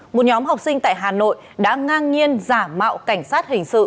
một nhóm học sinh tại hà nội đã ngang nhiên giả mạo cảnh sát hình sự